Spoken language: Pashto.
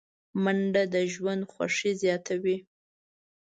منډه د ژوند خوښي زیاتوي